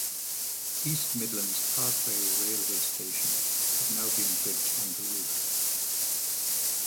East Midlands Parkway railway station has now been built on the route.